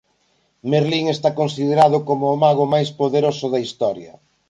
Merlín está considerado como o mago máis poderoso da historia.